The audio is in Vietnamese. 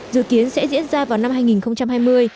dự kiến sẽ diễn ra vào năm hai nghìn hai mươi